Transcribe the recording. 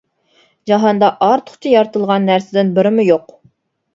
جاھاندا ئارتۇقچە يارىتىلغان نەرسىدىن بىرىمۇ يوق.